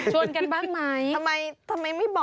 ชวนกันบ้างไหม